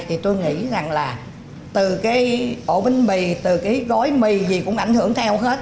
thì tôi nghĩ rằng là từ cái ổ bánh mì từ cái gói mì gì cũng ảnh hưởng theo hết